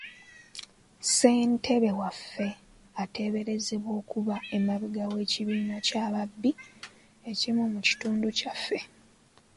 Ssentebe waffe ateeberezebwa okuba emabega w'ekibinja ky'ababbi ekimu mu kitundu kyaffe.